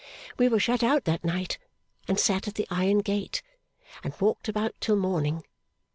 We were shut out that night, and sat at the iron gate, and walked about till morning.